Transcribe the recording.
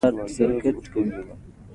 بصیرت د زړه او ذهن ګډه ژبه ده.